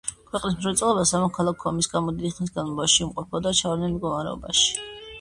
ქვეყნის მრეწველობა სამოქალაქო ომის გამო დიდი ხნის განმავლობაში იმყოფებოდა ჩავარდნილ მდგომარეობაში.